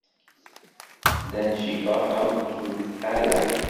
Then she got out through the skylight.